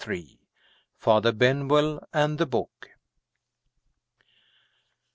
FATHER BENWELL AND THE BOOK.